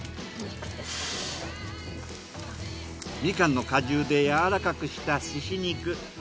みかんの果汁でやわらかくした猪肉。